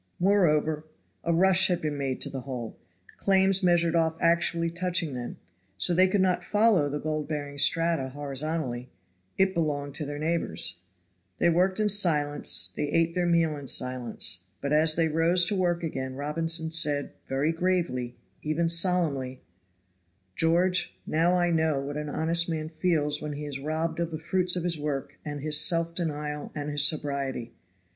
Moreover, a rush had been made to the hole, claims measured off actually touching them; so they could not follow the gold bearing strata horizontally it belonged to their neighbors. They worked in silence, they ate their meal in silence. But as they rose to work again, Robinson said, very gravely, even solemnly: "George, now I know what an honest man feels when he is robbed of the fruits of his work and his self denial and his sobriety.